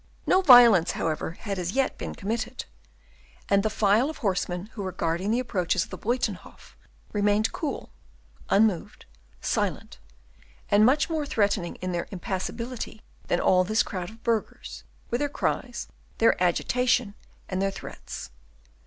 No violence, however, had as yet been committed; and the file of horsemen who were guarding the approaches of the Buytenhof remained cool, unmoved, silent, much more threatening in their impassibility than all this crowd of burghers, with their cries, their agitation, and their threats.